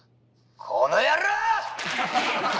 この野郎！